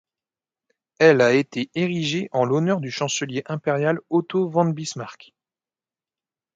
Elle a été érigée en l'honneur du Chancelier impérial Otto von Bismarck.